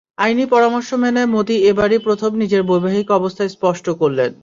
আইনি পরামর্শ মেনে মোদি এবারই প্রথম নিজের বৈবাহিক অবস্থা স্পষ্ট করলেন।